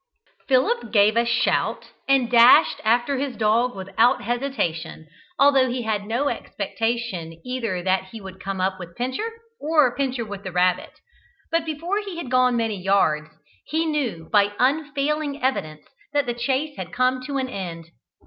Philip gave a shout, and dashed after his dog without hesitation, although he had no expectation either that he would come up with Pincher, or Pincher with the rabbit. But before he had gone many yards, he knew, by unfailing evidence, that the chase had come to an end.